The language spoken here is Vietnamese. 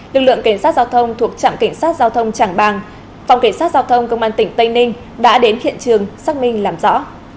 lực lượng cảnh sát giao thông thuộc trạm cảnh sát giao thông trảng bàng phòng cảnh sát giao thông công an tỉnh tây ninh đã đến hiện trường xác minh làm rõ